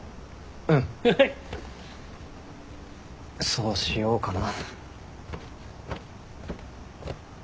そうしようかな。